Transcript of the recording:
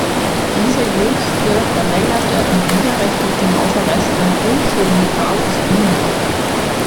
Dieser jüngste verlängerte und widerrechtliche Hausarrest einer unschuldigen Frau ist unannehmbar.